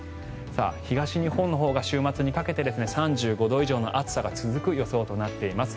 東日本のほうが週末にかけて３５度以上の暑さが続く予想となっています。